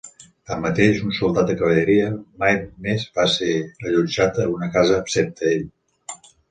Tanmateix, un soldat de cavalleria mai més va ser allotjat a una casa excepte ell.